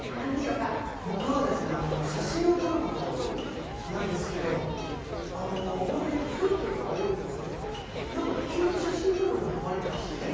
僕は、写真を撮ることなんですけど、風景が多いんですけど、急に写真撮るのにハマリまして。